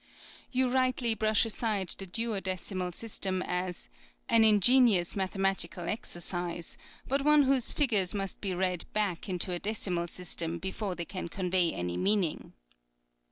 "You rightly brush aside the duodecimal system as ' an ingenious mathematical ex ercise, but one whose figures must be read back into a decimal system before they can convey any meaning.